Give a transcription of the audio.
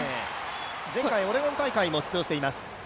前回、オレゴン大会にも出場をしています。